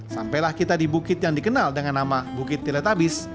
sampailah kita di bukit yang dikenal dengan nama bukit teletabis